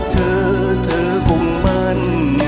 ถือถือคงมัน